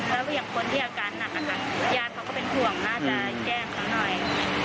แล้วอย่างคนที่อาการหนักนะคะญาติเขาก็เป็นห่วงน่าจะแจ้งเขาหน่อย